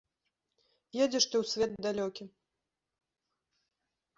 Едзеш ты ў свет далёкі.